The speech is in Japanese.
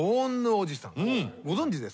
ご存じですか？